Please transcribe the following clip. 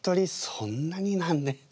そんなになんで。